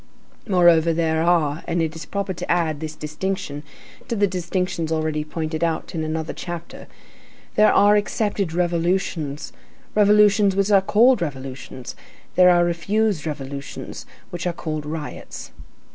Moreover, there are, and it is proper to add this distinction to the distinctions already pointed out in another chapter,—there are accepted revolutions, revolutions which are called revolutions; there are refused revolutions, which are called riots.